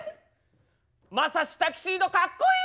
マサシタキシードかっこいい！